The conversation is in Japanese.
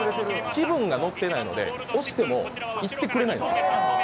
気分が乗ってないので、押しても行ってくれないんです。